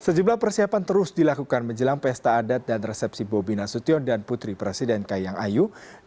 sejumlah persiapan terus dilakukan menjelang pesta adat dan resepsi bobi nasution dan putri presiden kahiyang ayu